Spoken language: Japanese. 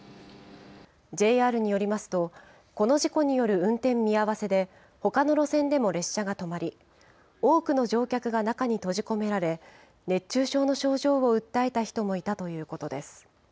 ＪＲによりますと、この事故による運転見合わせで、ほかの路線でも列車が止まり、多くの乗客が中に閉じ込められ、熱中症の症状を訴えた人もいたということです。